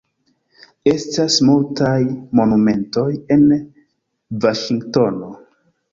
Estas multaj monumentoj en Vaŝingtono.